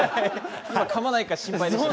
かまないか心配でした。